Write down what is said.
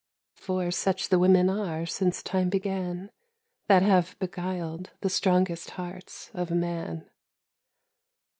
— For such the women are since time began That have beguiled the strongest hearts of man.